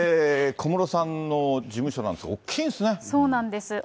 小室さんの事務所なんですが、大きいんですね。